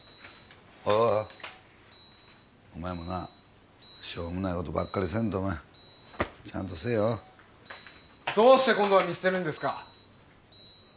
おいお前もなしょうもないことばかりせんとちゃんとせえよどうして今度は見捨てるんですか？